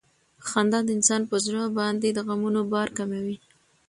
خندا د انسان پر زړه باندې د غمونو بار کموي.